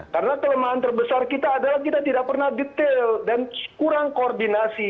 karena kelemahan terbesar kita adalah kita tidak pernah detail dan kurang koordinasi